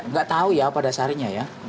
nggak tahu ya pada sarinya ya